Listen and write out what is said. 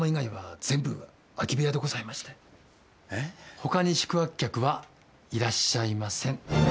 ほかに宿泊客はいらっしゃいません。